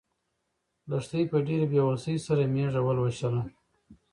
لښتې په ډېرې بې وسۍ سره مېږه ولوشله.